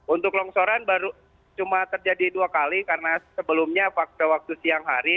untuk longsoran baru cuma terjadi dua kali karena sebelumnya waktu siang hari